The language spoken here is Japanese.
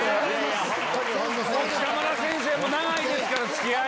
⁉北村先生も長いですから付き合い。